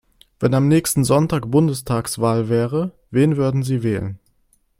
Wenn am nächsten Sonntag Bundestagswahl wäre, wen würden Sie wählen?